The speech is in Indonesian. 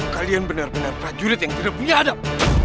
kalian benar benar prajurit yang tidak punya adab